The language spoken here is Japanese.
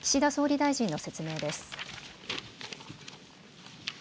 岸田総理大臣の説明です。